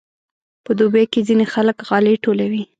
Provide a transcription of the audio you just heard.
په دوبي کې ځینې خلک غالۍ ټولوي.